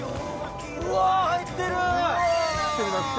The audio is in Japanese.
うわ入ってる！